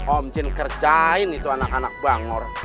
om jin kerjain itu anak anak bangor